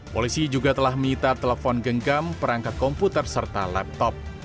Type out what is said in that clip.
polisi juga telah minta telepon genggam perangkat komputer serta laptop